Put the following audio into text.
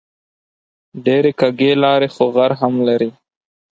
ډېرې کږې لارې خو غر هم لري